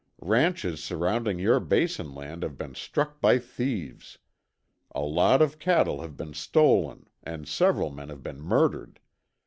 Ranches surrounding your basin land have been struck by thieves. A lot of cattle have been stolen and several men have been murdered.